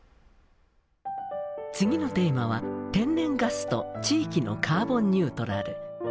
次のテーマは天然ガスと地域のカーボンニュートラル。